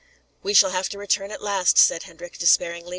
"We shall have to return at last," said Hendrik, despairingly.